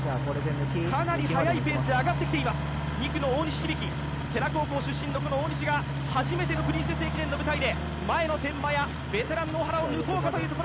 かなり速いペースで上がってきています、２区の大西響世羅高校出身の大西が初めての「プリンセス駅伝」で手前のベテランを抜こうかという所。